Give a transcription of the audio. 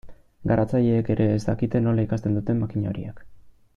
Garatzaileek ere ez dakite nola ikasten duten makina horiek.